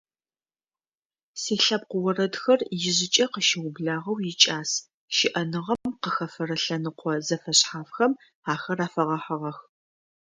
Силъэпкъ орэдхэр ижъыкӏэ къыщыублагъэу икӏас, щыӏэныгъэм къыхэфэрэ лъэныкъо зэфэшъхьафхэм ахэр афэгъэхьыгъэх.